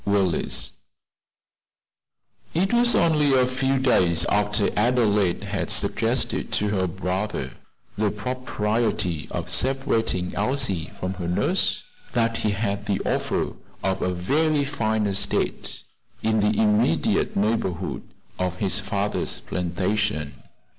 WILLES It was only a few days after Adelaide had suggested to her brother the propriety of separating Elsie from her nurse, that he had the offer of a very fine estate in the immediate neighborhood of his father's plantation.